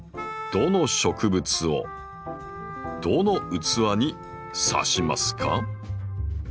どの植物をどの器に挿しますか？